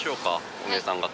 お姉さん方。